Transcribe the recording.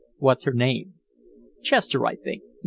"What's her name?" "Chester, I think.